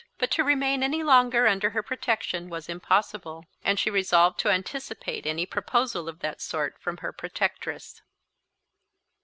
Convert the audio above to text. But to remain any longer under her protection was impossible; and she resolved to anticipate any proposal of that sort from her protectress.